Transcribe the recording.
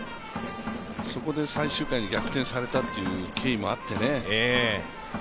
そこで最終回に逆転されたという経緯もあってね。